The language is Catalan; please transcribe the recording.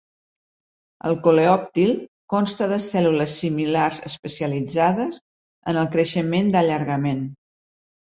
El coleòptil consta de cèl·lules similars especialitzades en el creixement d'allargament.